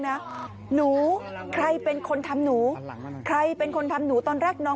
นะหนูใครเป็นคนทำหนูใครเป็นคนทำหนูตอนแรกน้อง